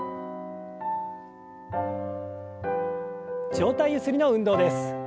上体ゆすりの運動です。